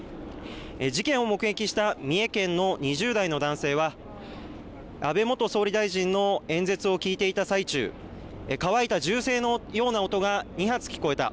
事件を目撃した三重県の２０代の男性は安倍元総理大臣の演説を聞いていた最中、乾いた銃声のような音が２発聞こえた。